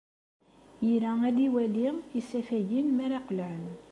Ira ad iwali isafagen mi ara qelɛen.